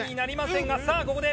さあここで。